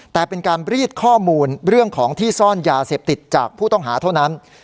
แต่เป็นการรีดข้อมูลเรื่องของที่ซ่อนยาเสพติดจากผู้ต้องหาเท่านั้น